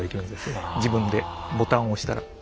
自分でボタンを押したら。